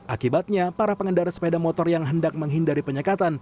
akibatnya para pengendara sepeda motor yang hendak menghindari penyekatan